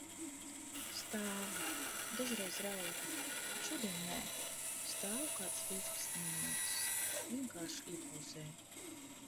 Stāvu, dažreiz raudu, bet šodien nē, stāvu kādas piecpadsmit minūtes – vienkārši iepauzēju.